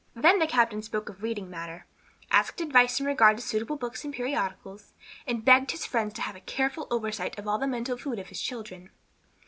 Then the captain spoke of reading matter, asked advice in regard to suitable books and periodicals, and begged his friends to have a careful oversight of all the mental food of his children.